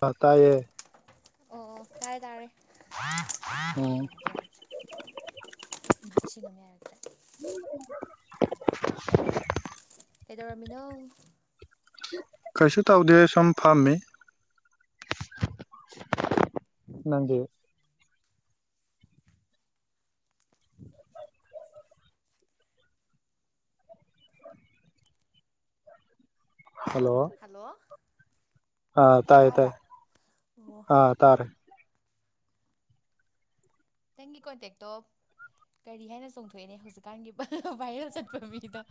ꯄꯀꯥꯏꯌꯦ ꯑꯣ ꯑꯣ ꯇꯥꯔꯦ ꯇꯥꯔꯦ ꯑꯣ ꯌꯥꯗ꯭ꯔꯦ ꯌꯥꯗ꯭ꯔꯦ ꯁꯤ ꯑꯗꯨꯝ ꯌꯥꯔꯛꯇ꯭ꯔꯦ [inaudible] ꯀꯩꯗꯧꯔꯃꯤꯅꯣ ꯀꯩꯁꯨ ꯇꯧꯗꯦ ꯁꯨꯝ ꯐꯝꯃꯤ ꯅꯪꯗꯤ ꯍꯜꯂꯣ ꯍꯦꯜꯂꯣ ꯑꯥ ꯇꯥꯏꯌꯦ ꯇꯥꯏꯌꯦ ꯑꯣ ꯑꯥ ꯇꯥꯔꯦ ꯅꯪꯒꯤ ꯀꯣꯟꯇꯦꯛꯇꯣꯞ ꯀꯔꯤ ꯍꯥꯏꯅ ꯆꯣꯡꯊꯣꯛꯑꯦꯅꯦ ꯍꯧꯖꯤꯛꯀꯥꯟꯒꯤ ꯚꯥꯏꯔꯦꯜ ꯆꯠꯄ ꯃꯤꯗꯣ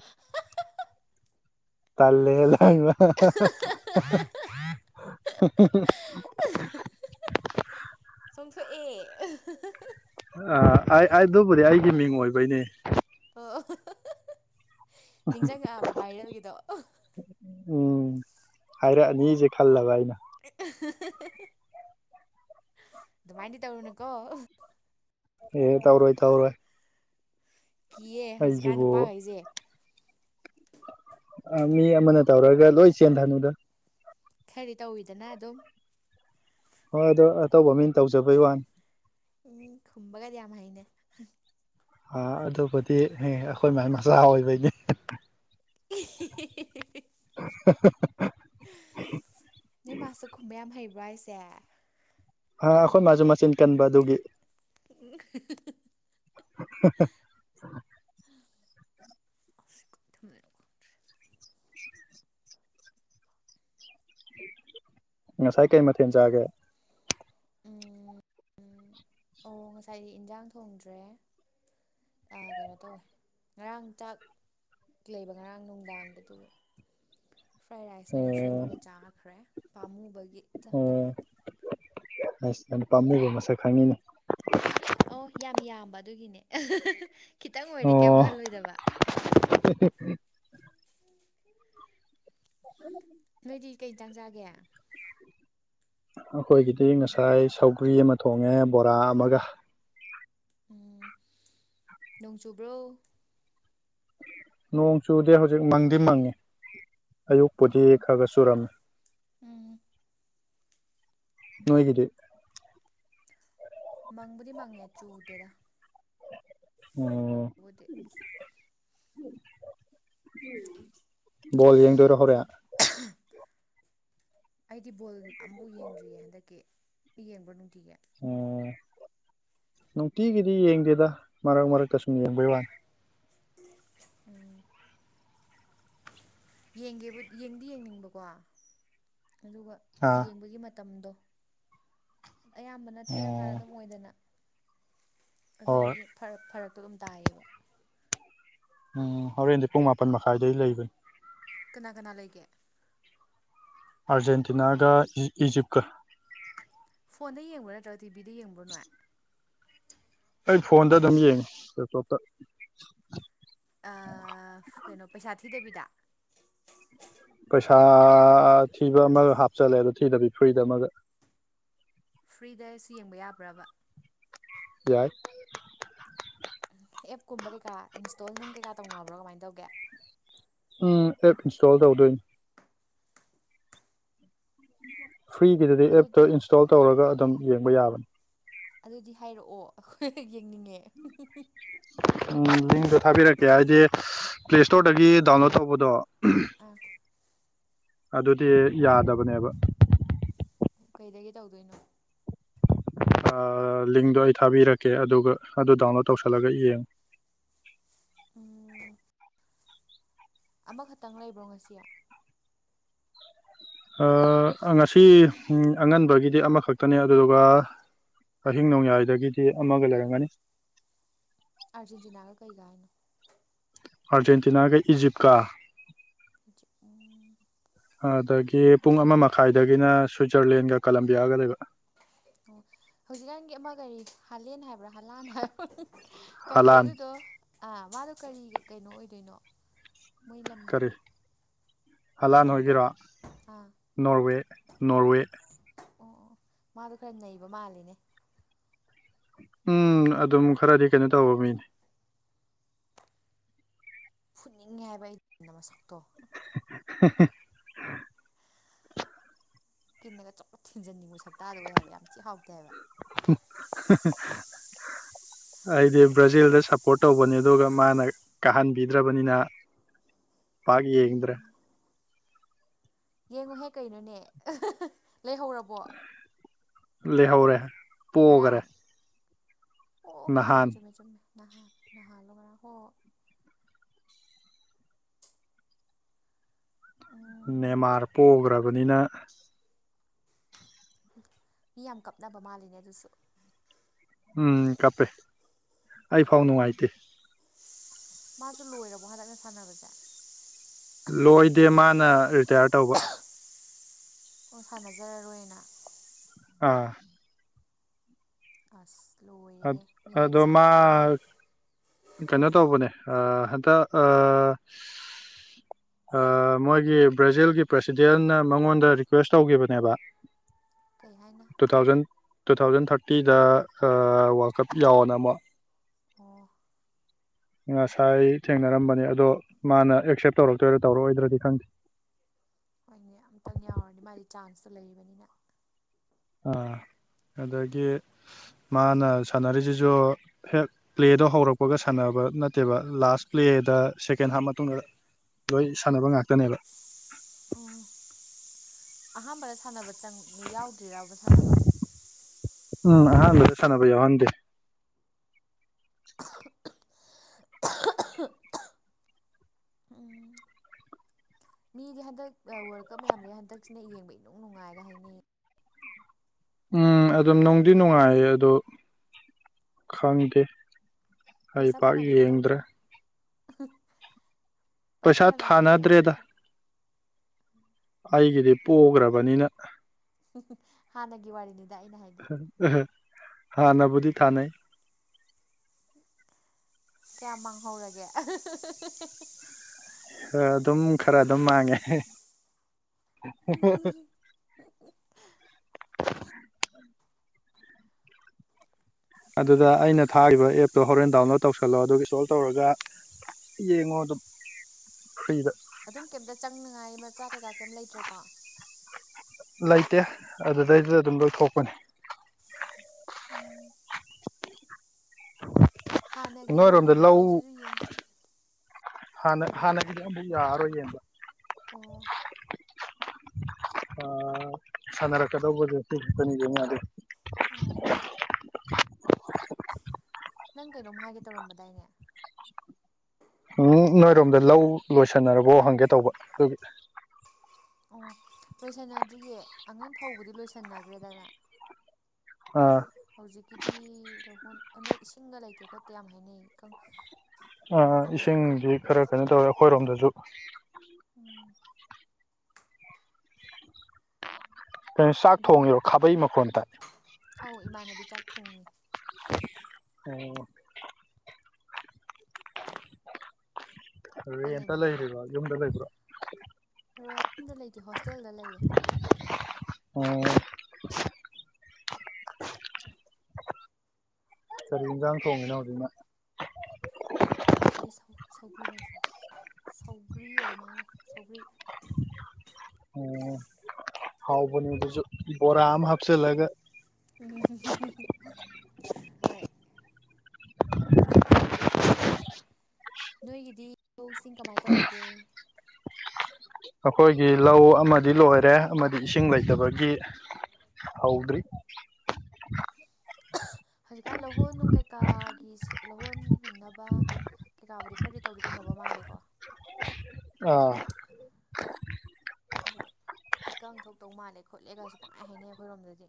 ꯇꯂ ꯂꯕ [inaudible] ꯆꯣꯡꯊꯣꯛꯑꯦ [unintelligible] ꯑꯥ ꯑꯥꯏ ꯑꯥꯏ ꯗꯨꯕꯨꯗꯤ ꯑꯩꯒꯤ ꯃꯤꯡ ꯑꯣꯏꯕꯩꯅꯦ ꯑꯣ ꯑꯣ [unintelligible] ꯅꯤꯡꯖꯪꯉꯛꯑꯕ ꯚꯥꯏꯔꯦꯜꯒꯤꯗꯣ [unintelligible] [unintelligible] ꯎꯝ ꯍꯥꯏꯔꯛꯑꯅꯤꯖꯦ ꯈꯜꯂꯕ ꯑꯩꯅ [unintelligible] ꯗꯨꯃꯥꯏꯅꯗꯤ ꯇꯧꯔꯨꯅꯨꯀꯣ ꯑꯦ ꯑꯦ ꯇꯧꯔꯣꯏ ꯇꯧꯔꯣꯏ ꯀꯤꯌꯦ ꯍꯧꯖꯤꯛꯀꯥꯟ ꯑꯩꯁꯤꯕꯨ ꯅꯨꯄꯥꯒꯩꯁꯦ ꯑꯥ ꯃꯤ ꯑꯃꯅ ꯇꯧꯔꯒ ꯂꯣꯏ ꯆꯦꯟꯊꯥꯅꯨꯗ ꯈꯔꯥꯗꯤ ꯇꯧꯋꯤꯗꯅ ꯗꯨꯝ ꯍꯣꯏ ꯑꯗꯣ ꯑꯇꯧꯕ ꯃꯤꯅ ꯇꯧꯖꯕꯩ ꯋꯥꯅꯤ ꯎꯝ ꯈꯨꯝꯕꯒꯗꯤ ꯌꯥꯝ ꯍꯩꯅꯦ [unintelligible] ꯍꯥ ꯑꯗꯨꯕꯨꯗꯤ ꯍꯦ ꯑꯈꯣꯏ ꯃꯥꯏ ꯃꯆꯥ ꯑꯣꯏꯕꯩꯅꯦ [unintelligible] [unintelligible] [unintelligible] ꯅꯣꯏ ꯃꯥꯁꯨ ꯈꯨꯝꯕ ꯌꯥꯝ ꯍꯩꯕ꯭ꯔꯣ ꯍꯥꯏꯁꯦ? ꯍꯥ ꯑꯩꯈꯣꯏ ꯃꯥꯁꯨ ꯃꯆꯤꯟ ꯀꯟꯕ ꯑꯗꯨꯒꯤ [unintelligible] ꯍꯥ ꯍꯥ [unintelligible] ꯉꯁꯥꯏ ꯀꯩ ꯃꯊꯦꯟ ꯆꯥꯒꯦ? ꯑꯣ ꯉꯁꯥꯏꯗꯤ ꯏꯟꯖꯥꯡ ꯊꯣꯡꯗ꯭ꯔꯦ ꯑꯥ ꯀꯩꯅꯣ ꯇꯧꯋꯦ ꯉꯔꯥꯡ ꯆꯥꯛ ꯀ꯭ꯂꯩꯕ ꯉꯔꯥꯡ ꯅꯨꯡꯗꯥꯡꯒꯤ ꯗꯨꯒꯤ ꯐ꯭ꯔꯥꯏ ꯔꯥꯏꯁ ꯑꯣꯏꯅ ꯑꯣ ꯁꯦꯝꯃꯒ ꯆꯥꯈ꯭ꯔꯦ ꯄꯥꯝꯃꯨꯕꯒꯤ ꯆꯥꯛꯇꯣ ꯑꯣ [unintelligible] ꯑꯁ ꯌꯥꯝ ꯄꯥꯝꯃꯨꯕ ꯃꯁꯛ ꯈꯪꯉꯤꯅꯦ ꯑꯧ ꯌꯥꯝ ꯌꯥꯝꯕ ꯑꯗꯨꯒꯤꯅꯦ [unintelligible] ꯈꯤꯇꯪ ꯑꯣꯏꯔꯗꯤ ꯀꯦꯝ ꯈꯜꯂꯣꯏꯗꯕ [unintelligible] ꯍꯦ [unintelligible] [unintelligible] ꯅꯣꯏꯗꯤ ꯀꯩ ꯑꯟꯖꯥꯡ ꯆꯥꯒꯦ? ꯑꯈꯣꯏꯒꯤꯗꯤ ꯉꯁꯥꯏ ꯁꯧꯒ꯭ꯔꯤ ꯑꯃ ꯊꯣꯡꯉꯦ ꯕꯣꯔꯥ ꯑꯃꯒ꯫ ꯎꯝ ꯅꯣꯡ ꯆꯨꯕ꯭ꯔꯣ? ꯅꯣꯡ ꯆꯨꯗꯦ ꯍꯧꯖꯤꯛ ꯃꯪꯗꯤ ꯃꯪꯉꯤ ꯑꯌꯨꯛꯄꯨꯗꯤ ꯎꯝ ꯈꯔ ꯈꯔ ꯆꯨꯔꯝ ꯎꯝ ꯅꯣꯏꯒꯤꯗꯤ? ꯃꯪꯕꯨꯗꯤ ꯃꯪꯉꯦ ꯆꯨꯗꯦꯗ ꯑꯣ ꯕꯨꯗꯤ [unintelligible] ꯕꯣꯜ ꯌꯦꯡꯗꯣꯏꯔꯣ ꯍꯧꯔꯦꯟ? [unintelligible] ꯑꯩꯗꯤ ꯕꯣꯜ ꯑꯝꯐꯥꯎ ꯌꯦꯡꯗ꯭ꯔꯤꯌꯦ ꯍꯟꯗꯛꯀꯤ ꯌꯦꯡꯕ꯭ꯔꯣ ꯅꯨꯡꯇꯤꯒꯤ? ꯑꯣ ꯅꯨꯡꯇꯤꯒꯤꯗꯤ ꯌꯦꯡꯗꯦꯗ ꯃꯔꯛ ꯃꯔꯛꯇ ꯁꯨꯝ ꯌꯦꯡꯕꯩ ꯋꯥꯟ [unintelligible] ꯎꯝ ꯌꯦꯡꯒꯦꯕꯨꯗꯤ ꯌꯦꯡꯗꯤ ꯌꯦꯡꯅꯤꯡꯕꯀꯣ ꯑꯗꯨꯒ ꯑꯥ ꯌꯦꯡꯕꯒꯤ ꯃꯇꯝꯗꯣ ꯑꯌꯥꯝꯕꯅ ꯊꯦꯡꯉꯀꯥꯟꯗ ꯎꯝ ꯑꯗꯨꯝ ꯑꯣꯏꯗꯅ ꯍꯣꯏ ꯑꯗꯨꯗꯨꯒꯤ ꯐꯔ ꯐꯔꯛ ꯇꯣꯗꯨꯝ ꯇꯥꯏꯌꯦꯕ ꯎꯝ ꯍꯧꯔꯦꯟꯗꯤ ꯄꯨꯡ ꯃꯥꯄꯟ ꯃꯈꯥꯏꯗꯩ ꯂꯩꯕꯟ ꯀꯅꯥ ꯀꯅꯥ ꯂꯩꯒꯦ? ꯑꯥꯔꯖꯦꯟꯇꯤꯅꯥꯒ ꯏꯤ ꯏꯖꯤꯞꯀ꯫ ꯐꯣꯟꯗ ꯌꯦꯡꯕ꯭ꯔꯥ ꯅꯠꯇ꯭ꯔꯒ ꯇꯤꯚꯤꯗ ꯌꯦꯡꯕ꯭ꯔꯣ ꯅꯣꯏ? ꯑꯩ ꯐꯣꯟꯗ ꯑꯗꯨꯝ ꯌꯦꯡꯉꯤ ꯂꯦꯞꯇꯣꯞꯇꯥ ꯑꯥ [unintelligible] ꯀꯩꯅꯣ ꯄꯩꯁꯥ ꯊꯤꯗꯕꯤꯗ? ꯄꯩꯁꯥ ꯊꯤꯕ ꯑꯃꯒ ꯍꯥꯞꯆꯜꯂꯦ ꯑꯗꯣ ꯊꯤꯗꯕꯤ ꯐꯔꯤꯗ ꯑꯃꯒ ꯐ꯭ꯔꯤꯗꯁꯨ ꯌꯦꯡꯕ ꯌꯥꯕ꯭ꯔꯕ ꯌꯥꯏ ꯑꯦꯞ ꯀꯨꯝꯕ ꯀꯩꯀꯥ ꯏꯟꯁꯇꯣꯜ ꯅꯨꯡ ꯀꯩꯀꯥ ꯇꯧꯅꯕ꯭ꯔꯣ ꯀꯃꯥꯏꯅ ꯇꯧꯒꯦ ꯎꯝ ꯑꯦꯞ ꯏꯟꯁꯇꯣꯜ ꯇꯧꯗꯣꯏ ꯐ꯭ꯔꯤꯒꯤꯗꯗꯤ ꯑꯗꯨꯗꯤ ꯑꯦꯞꯇꯣ ꯏꯟꯁꯇꯣꯜ ꯇꯧꯔꯒ ꯑꯗꯨꯝ ꯌꯦꯡꯕ ꯌꯥꯕꯅꯤ ꯑꯗꯨꯗꯤ ꯍꯥꯏꯔꯛꯑꯣ ꯑꯩꯈꯣꯏ ꯌꯦꯡꯅꯤꯡꯉꯦ ꯎꯝ ꯂꯤꯡꯗꯣ ꯊꯥꯕꯤꯔꯛꯀꯦ ꯍꯥꯏꯗꯤ ꯄ꯭ꯂꯦ ꯁꯇꯣꯔꯗꯒꯤ ꯗꯥꯎꯟꯂꯣꯗ ꯇꯧꯕꯗꯣ ꯑꯥ ꯑꯗꯨꯗꯤ ꯌꯥꯗꯕꯅꯦꯕ ꯀꯩꯗꯒꯤ ꯇꯧꯗꯣꯏꯅꯣ ꯂꯤꯡꯗꯣ ꯑꯩ ꯊꯥꯕꯤꯔꯛꯀꯦ ꯑꯗꯨꯒ ꯑꯗꯨ ꯗꯥꯎꯟꯂꯣꯗ ꯇꯧꯁꯜꯂꯒ ꯌꯦꯡꯉꯨ ꯎꯝ ꯑꯃ ꯈꯇꯪ ꯂꯩꯕ꯭ꯔꯣ ꯉꯁꯤ ꯉꯁꯤ ꯑꯉꯟꯕꯒꯤꯗꯤ ꯑꯃꯈꯛꯇꯅꯦ ꯑꯗꯨꯗꯨꯒ ꯑꯍꯤꯡ ꯅꯣꯡꯌꯥꯏꯗꯒꯤꯗꯤ ꯑꯃꯒ ꯂꯩꯔꯝꯒꯅꯤ ꯑꯥꯔꯖꯦꯟꯇꯤꯅꯥꯒ ꯀꯩꯒ ꯍꯥꯏꯅꯣ ꯑꯥꯔꯖꯦꯟꯇꯤꯅꯥꯒ ꯏꯖꯤꯞꯀ ꯖꯤꯞ ꯎꯝ ꯑꯗꯒꯤ ꯄꯨꯡ ꯑꯃ ꯃꯈꯥꯏꯗꯒꯤꯅ ꯁ꯭ꯋꯤꯖꯔꯂꯦꯟꯒ ꯀꯂꯝꯕꯤꯌꯥꯒ ꯂꯩꯕ ꯑꯣ ꯍꯧꯖꯤꯛꯀꯥꯟꯒꯤ ꯑꯃ ꯀꯔꯤ ꯍꯥꯂꯦꯟ ꯍꯥꯏꯕ꯭ꯔꯥ ꯍꯥꯂꯥꯟ ꯍꯥꯏꯕ ꯀꯔꯤ ꯍꯂꯥꯟ ꯑꯗꯨꯗꯣ ꯃꯥꯗꯣ ꯀꯔꯤ ꯀꯩꯅꯣ ꯑꯣꯏꯗꯣꯏꯅꯣ ꯃꯣꯏ ꯂꯝꯗꯣ ꯀꯔꯤ ꯍꯂꯥꯟ ꯂꯝꯗꯣ ꯍꯣꯏꯒꯤꯔꯣ ꯑꯥ ꯅꯣꯔꯋꯦ ꯅꯣꯔꯋꯦ ꯑꯣ ꯑꯣ ꯃꯥꯗꯣ ꯈꯔ ꯅꯩꯕ ꯃꯥꯜꯂꯤꯅꯦ ꯎꯝ ꯑꯗꯨꯝ ꯈꯔꯗꯤ ꯀꯩꯅꯣ ꯇꯧꯕ ꯃꯤꯅꯦ ꯐꯨꯅꯤꯡꯉꯦ ꯍꯥꯏꯕ ꯑꯩꯟ ꯑꯃꯁꯛꯇꯣ [inaudible] ꯀꯤꯟꯅꯒ ꯆꯣꯂ ꯊꯦꯡꯖꯤꯟꯅꯤꯡꯉꯨ ꯁꯛꯇꯇꯥꯗꯦ ꯍꯥꯏꯕ ꯌꯥꯝ ꯊꯤ ꯍꯥꯎꯇꯦ ꯍꯥꯏꯕ [inaudible] ꯑꯩꯗꯤ ꯕ꯭ꯔꯥꯖꯤꯜꯗ ꯁꯞꯄꯣꯔꯠ ꯇꯧꯕꯅꯤ ꯑꯗꯨꯒ ꯃꯥꯅ ꯀꯥꯍꯟꯕꯤꯗ꯭ꯔꯕꯅꯤꯅ ꯄꯥꯛ ꯌꯦꯡꯗ꯭ꯔꯦ ꯎꯝ ꯌꯦꯡꯉꯨꯍꯦ ꯀꯩꯅꯣꯅꯦ ꯂꯩꯍꯧꯔꯕꯣ ꯂꯦꯍꯧꯔꯦ ꯄꯣꯒꯔꯦ ꯉꯔꯥꯡ ꯑꯣ ꯆꯨꯝꯃꯦ ꯆꯨꯝꯃꯦ ꯆꯨꯝꯃꯦ ꯅꯍꯥꯟ ꯅꯍꯥꯜꯂꯣꯒꯔ ꯍꯣ ꯎꯝ ꯅꯦꯃꯥꯔ ꯄꯣꯛꯈ꯭ꯔꯕꯅꯤꯅ ꯃꯤ ꯌꯥꯝ ꯀꯞꯅꯕ ꯃꯥꯜꯂꯤꯅꯦ ꯑꯗꯨꯁꯨ ꯎꯝ ꯀꯞꯄꯦ ꯑꯩꯐꯥꯎ ꯅꯨꯡꯉꯥꯏꯇꯦ ꯃꯥꯁꯨ ꯂꯣꯏꯔꯕꯣ ꯍꯟꯗꯛꯅ ꯁꯥꯟꯅꯕꯁꯦ ꯂꯣꯏꯗꯦ ꯃꯥꯅ ꯔꯤꯇꯥꯌꯔ ꯇꯧꯕ ꯑꯣ ꯁꯥꯟꯅꯖꯔꯔꯣꯏꯅ ꯑꯥ ꯑꯁ ꯂꯣꯏꯔꯦꯍꯦ ꯃꯤꯅꯗꯤ ꯑꯗꯣ ꯃꯥ ꯁꯥꯟꯅꯅꯤꯡꯉꯤ ꯀꯩꯅꯣ ꯇꯧꯕꯅꯦ ꯍꯟꯇꯛ ꯃꯣꯏꯒꯤ ꯕ꯭ꯔꯥꯖꯤꯜꯒꯤ ꯄ꯭ꯔꯁꯤꯗꯦꯟꯅ ꯃꯉꯣꯟꯗ ꯔꯤꯀ꯭ꯋꯦꯁ ꯇꯧꯈꯤꯕꯅꯦꯕ ꯀꯩ ꯍꯥꯏꯅ ꯇꯨ ꯊꯥꯎꯖꯟ ꯇꯨ ꯊꯥꯎꯖꯟ ꯊꯥꯔꯇꯤꯗ ꯋꯥꯔꯜ ꯀꯞ ꯌꯥꯎꯅ ꯑꯃꯨꯛ ꯑꯣ ꯉꯁꯥꯏ ꯊꯦꯡꯅꯔꯝꯕꯅꯤ ꯑꯗꯣ ꯃꯥꯅ ꯑꯦꯛꯁꯦꯞ ꯇꯧꯔꯛꯇꯣꯏꯔꯣ ꯇꯧꯔꯛꯑꯣꯏꯗ꯭ꯔꯗꯤ ꯈꯪꯗꯦ ꯍꯣꯏꯅꯦ ꯑꯝꯇꯪ ꯌꯥꯎꯔꯗꯤ ꯃꯥꯗꯤ ꯆꯥꯟꯁꯇꯨ ꯂꯩꯕꯅꯤꯅ ꯑꯥ ꯑꯗꯒꯤ ꯃꯥꯅ ꯁꯥꯟꯅꯔꯤꯁꯤꯁꯨ ꯍꯦꯛ ꯄ꯭ꯂꯦꯗꯣ ꯍꯧꯔꯛꯄꯒ ꯁꯥꯟꯅꯕ ꯅꯠꯇꯦꯕ ꯂꯥꯁ ꯄ꯭ꯂꯦꯗ ꯁꯦꯀꯦꯟ ꯍꯥꯞ ꯃꯇꯨꯡꯗ ꯂꯣꯏ ꯁꯥꯟꯅꯕ ꯉꯥꯛꯇꯅꯦꯕ ꯎꯝ ꯑꯍꯥꯟꯕꯗ ꯁꯥꯟꯅꯕ ꯆꯪꯉ ꯌꯥꯎꯗ꯭ꯔꯤꯔꯎꯕ ꯁꯥꯟꯅꯕ ꯎꯝ ꯑ ꯁꯅꯕꯌꯣ ꯍꯗꯦ ꯃꯤꯗꯤ ꯍꯟꯗꯛ ꯋꯥꯔꯜ ꯀꯞ ꯃꯌꯥꯝꯗ ꯍꯟꯗꯛꯁꯤꯅ ꯌꯦꯡꯕ ꯏ ꯅꯨꯡ ꯅꯨꯡꯉꯥꯏꯒ ꯍꯥꯏꯅꯩꯌꯦ ꯎꯝ ꯑꯗꯨꯝ ꯅꯨꯡꯗꯤ ꯅꯨꯡꯉꯥꯏꯌꯦ ꯑꯗꯣ ꯈꯪꯗꯦ ꯑꯩ ꯄꯩꯁꯥ ꯄꯥꯛ ꯊꯥꯅꯕꯤꯒ ꯌꯦꯡꯗ꯭ꯔꯦ ꯇꯧꯗ꯭ꯔꯣ ꯄꯩꯁꯥ ꯊꯥꯅꯕꯤꯒꯗꯧꯗ꯭ꯔꯕ ꯑꯩꯒꯤꯗꯤ ꯄꯣꯈ꯭ꯔꯕꯅꯤꯅ ꯍꯥꯟꯅꯒꯤ ꯋꯥꯔꯤꯅꯤꯗ ꯑꯩꯅ ꯍꯥꯏꯗꯤ ꯑꯍ ꯍꯥꯟꯕꯨꯗꯤ ꯊ ꯀꯌꯥꯝ ꯃꯥꯡꯍꯧꯔꯒꯦ ꯑꯗꯨꯝ ꯈꯔ ꯑꯗꯨꯝ ꯃꯥꯡꯉꯦ ꯑꯗꯨꯗ ꯑꯩꯅ ꯊꯥꯈꯤꯕ ꯑꯦꯞꯇꯣ ꯍꯣꯔꯦꯟ ꯗꯥꯎꯟꯂꯣꯗ ꯇꯧꯁꯜꯂꯣ ꯑꯗꯨꯒ ꯏꯟꯁꯇꯣꯜ ꯇꯧꯔꯒ ꯌꯦꯡꯉꯣ ꯑꯗꯨꯝ ꯐ꯭ꯔꯤꯗ ꯑꯗꯨꯝ ꯀꯩꯝꯇ ꯆꯪꯅꯉꯥꯏ ꯃꯆꯥ ꯀꯩꯀꯥ ꯀꯩꯝ ꯂꯩꯇ꯭ꯔꯦꯀꯣ ꯂꯩꯇꯦ ꯑꯗꯨꯗꯩꯗꯨꯗ ꯑꯗꯨꯝ ꯂꯧꯣꯏꯊꯣꯛꯄꯅꯤ ꯎ ꯅꯣꯏꯔꯣꯝꯗ ꯂꯧ ꯍꯥꯟꯅ ꯀꯩꯕꯥ ꯍꯥꯟꯅꯒꯤ ꯕꯨ ꯌꯔ ꯑꯣꯏ ꯑꯣ ꯁꯥꯟꯅꯔꯛꯀꯗꯧꯕꯁꯦꯤꯄꯅꯤꯗꯅꯗꯦ ꯑꯣ ꯅꯪ ꯀꯩꯅꯣꯝ ꯍꯥꯏꯒꯦ ꯇꯧꯔꯝꯕꯗꯥꯏꯅꯦ ꯎꯝ ꯅꯣꯏꯔꯣꯝꯗ ꯂꯧ ꯂꯣꯏꯁꯟꯅꯔꯕꯣ ꯍꯪꯒꯦ ꯇꯧꯕ ꯑꯗꯨꯒꯤ ꯑꯣ ꯂꯣꯏꯁꯟꯅꯗ꯭ꯔꯤꯌꯦ ꯑꯉꯥꯡ ꯐꯥꯎꯧꯕꯗꯤ ꯂꯣꯏꯁꯟꯅꯈ꯭ꯔꯦꯗꯅ ꯑ ꯍꯧꯖꯤꯛꯀꯤꯗꯤ ꯂꯧꯍꯣꯟ ꯍꯟꯗꯛ ꯏꯁꯤꯡꯒ ꯂꯩꯇꯦ ꯈꯣꯠꯇꯦ ꯌꯥꯝ ꯍꯥꯏꯅꯩꯌꯦ ꯏꯀꯪ ꯑ ꯑ ꯏꯁꯤꯡꯖꯤ ꯈꯔ ꯀꯩꯅꯣ ꯇꯧꯋꯦ ꯑꯈꯣꯏꯔꯣꯝꯗꯁꯨ ꯎꯝ ꯀꯩꯅꯣ ꯆꯥꯛ ꯑꯗꯨꯒꯤ ꯊꯣꯡꯉꯤꯔꯣ ꯈꯥꯕꯩ ꯃꯈꯣꯟ ꯇꯥꯏ ꯑꯧ ꯏꯃꯥꯟꯅꯕꯤ ꯆꯥꯛ ꯊꯣꯡꯉꯤ ꯑꯣ ꯑꯩꯈꯣꯏ ꯔꯦꯟꯇ ꯂꯩꯃꯤꯟꯅꯕ ꯂꯩꯔꯤꯕ ꯌꯨꯝꯗ ꯂꯩꯔꯤꯕ ꯌꯨꯝꯗ ꯂꯩꯇꯦ ꯍꯣꯁꯇꯦꯜꯗ ꯂꯩꯌꯦ ꯑꯣ ꯀꯔꯤ ꯏꯟꯖꯥꯡ ꯊꯣꯡꯉꯤꯅꯣ ꯍꯧꯖꯤꯛꯅ ꯀꯩ ꯁꯧꯒ꯭ꯔꯤ ꯅꯠꯇ꯭ꯔꯣ ꯁꯧꯒ꯭ꯔꯤ ꯑꯣꯏꯔ ꯃꯥꯜꯂꯦ ꯁꯧꯒ꯭ꯔꯤ ꯑꯣ ꯍꯥꯎꯕꯅꯤ ꯑꯗꯨꯁꯨ ꯕꯣꯔꯥ ꯑꯃ ꯍꯥꯞꯆꯤꯜꯂꯒ ꯍꯣꯏ ꯅꯣꯏꯒꯤꯗꯤ ꯂꯧꯁꯤꯡ ꯀꯃꯥꯏ ꯇꯧꯔꯤꯒꯦ ꯑꯈꯣꯏꯒꯤ ꯂꯧ ꯑꯃꯗꯤ ꯂꯣꯏꯔꯦ ꯑꯃꯗꯤ ꯏꯁꯤꯡ ꯂꯩꯇꯕꯒꯤ ꯍꯧꯗ꯭ꯔꯤ ꯍꯧꯖꯤꯛꯀꯥꯟ ꯂꯧꯍꯣꯟꯅꯨꯡ ꯀꯩꯀꯥꯒꯤꯁꯦ ꯂꯧꯍꯣꯟ ꯍꯨꯟꯅꯕ ꯀꯩꯀꯥꯕꯨꯗꯤ ꯈꯔꯕꯨꯗꯤ ꯇꯧꯗꯤ ꯇꯧꯅꯕ ꯃꯥꯜꯂꯦꯀꯣ ꯑꯥ [inaudible] ꯑꯗꯨꯒ ꯏꯀꯪ ꯊꯣꯛꯇꯧ ꯃꯥꯜꯂꯦ ꯈꯣꯠꯂꯦꯒꯁꯨ ꯄꯪꯍꯥꯏ ꯍꯥꯏꯅꯩ ꯑꯈꯣꯏꯔꯣꯝꯗꯗꯤ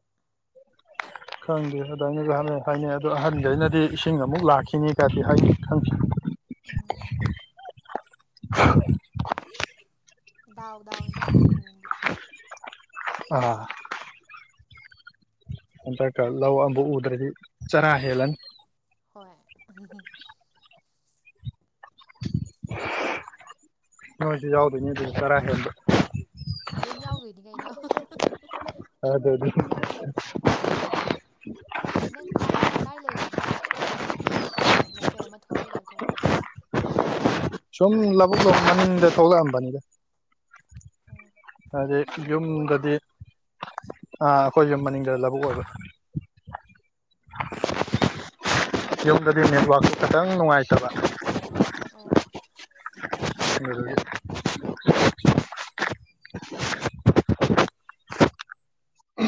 ꯈꯪꯗꯦ ꯑꯗꯨꯃꯥꯏꯅꯁꯨꯍꯥꯟꯅ ꯍꯥꯏꯅꯩ ꯑꯗꯣ ꯑꯍꯟꯈꯩꯅꯗꯤ ꯏꯁꯤꯡ ꯑꯃꯨꯛ ꯂꯥꯛꯈꯤꯅꯤꯒꯗꯤ ꯍꯥꯏꯅꯩ ꯈꯪꯗꯦ ꯎꯝ ꯍ ꯗꯥꯎꯗꯥꯎꯅꯦꯗ ꯀꯨꯝꯀꯨꯝꯒꯤ ꯑꯥ ꯍꯟꯗꯛꯀ ꯂꯧ ꯑꯃꯕꯨ ꯎꯗ꯭ꯔꯗꯤ ꯆꯔꯥ ꯍꯦꯜꯂꯅꯤ ꯍꯣꯏ ꯑꯍꯨꯝꯍꯨꯝ [inaudible] ꯅꯣꯏꯁꯨ ꯌꯥꯎꯗꯣꯏꯅꯤ ꯑꯗꯨꯗ ꯆꯔꯥ ꯍꯦꯟꯕ ꯂꯣꯏ ꯌꯥꯎꯗꯣꯏꯅꯤ ꯀꯩꯅꯣ [unintelligible] ꯑꯗꯨꯅꯤ [inaudible] ꯑꯣ ꯅꯪ ꯀ ꯀꯥꯏ ꯂꯩꯅꯣ ꯈꯔ ꯂꯥꯡ ꯀꯩꯅꯣ ꯇꯧꯕꯩ ꯇꯥꯏꯞ ꯃꯈꯣꯟ ꯑꯃ ꯊꯣꯛꯄꯩ ꯇꯥꯏꯞ ꯇꯧꯋꯦ ꯁꯨꯝ ꯂꯧꯕꯨꯛ ꯂꯣꯝ ꯃꯅꯤꯡꯗ ꯊꯣꯛꯂꯛꯑꯝꯕꯅꯤꯗ ꯑꯣ ꯅꯪ ꯍꯥꯏꯗꯤ ꯌꯨꯝ ꯃꯅꯤꯡꯗ ꯂꯧꯕꯨꯛ ꯑꯣꯏꯔꯤꯔꯣ ꯌꯨꯝꯗꯗꯤ ꯑ ꯑꯩꯈꯣꯏ ꯌꯨꯝ ꯃꯅꯤꯡꯗ ꯂꯧꯕꯨꯛ ꯑꯣꯏꯕ ꯎꯝꯍꯨꯝ ꯌꯨꯝꯗꯗꯤ ꯅꯦꯠꯋꯥꯛꯁ ꯈꯤꯇꯪ ꯅꯨꯡꯉꯥꯏꯇꯕ ꯑꯣ [unintelligible]